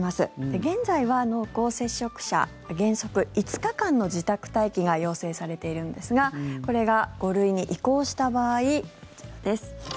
現在は濃厚接触者原則５日間の自宅待機が要請されているんですがこれが５類に移行した場合こちらです。